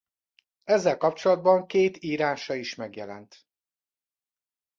Ezzel kapcsolatban két írása is megjelent.